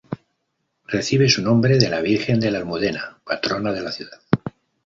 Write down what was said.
Recibe su nombre de la Virgen de la Almudena, patrona de la ciudad.